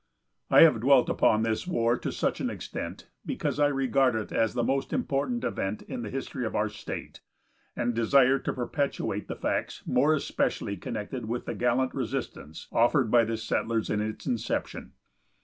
I have dwelt upon this war to such an extent because I regard it as the most important event in the history of our state, and desire to perpetuate the facts more especially connected with the gallant resistance offered by the settlers in its inception.